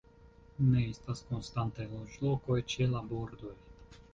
Ne estas konstantaj loĝlokoj ĉe la bordoj.